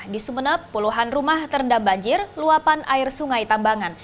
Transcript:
di sumeneb puluhan rumah terendam banjir luapan air sungai tambangan